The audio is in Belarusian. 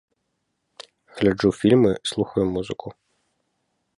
Гляджу фільмы, слухаю музыку.